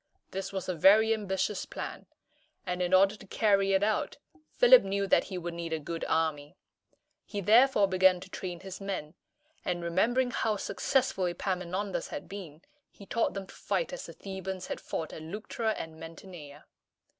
This was a very ambitious plan; and in order to carry it out, Philip knew that he would need a good army. He therefore began to train his men, and, remembering how successful Epaminondas had been, he taught them to fight as the Thebans had fought at Leuctra and Mantinea.